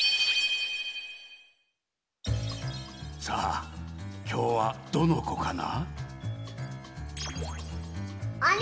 さあきょうはどのこかな？